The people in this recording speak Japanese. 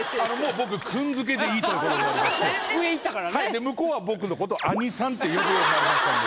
で向こうは僕の事「兄さん」って言えるようになりましたんで。